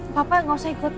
papa gak usah ikut